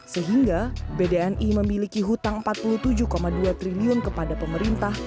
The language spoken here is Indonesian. sehingga bdni memiliki hutang rp empat puluh tujuh dua triliun kepada pemerintah